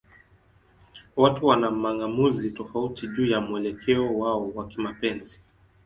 Watu wana mang'amuzi tofauti juu ya mwelekeo wao wa kimapenzi.